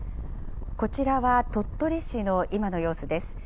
こちらは鳥取市の今の様子です。